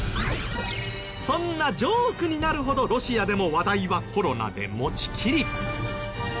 そんなジョークになるほどロシアでも話題はコロナで持ちきり。